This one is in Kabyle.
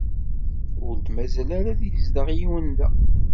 Ur d-mazal ara yezdeɣ yiwen da.